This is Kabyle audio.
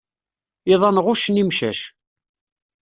Iḍan ɣuccen imcac.